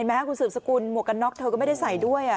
ไหมคุณสืบสกุลหมวกกันน็อกเธอก็ไม่ได้ใส่ด้วย